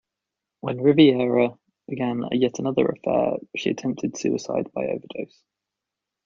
When Rivera began yet another affair, she attempted suicide by overdose.